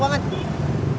apa muka lo letak banget